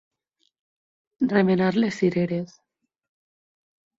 Remenar les cireres.